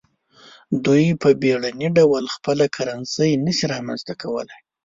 دوی په بیړني ډول خپله کرنسي نشي رامنځته کولای.